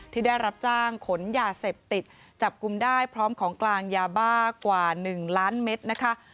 ที่ได้รับจ้างขนยาเสพติดจับกลุ่มได้พร้อมของกลางยาบ้ากว่า๑ล้านเม็ดนะคะ